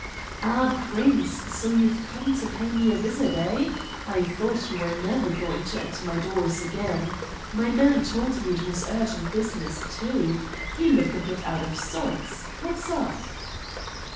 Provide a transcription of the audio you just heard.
"Ah, Prince, so you've come to pay me a visit, eh? I thought you were never going to enter my doors again. My man told me it was urgent business, too. You look a bit out of sorts. What's up?"